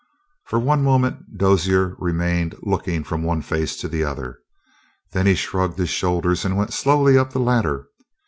For one moment Dozier remained looking from one face to the other. Then he shrugged his shoulders and went slowly up the ladder.